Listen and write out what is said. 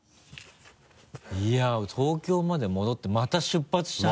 いや東京まで戻ってまた出発したね。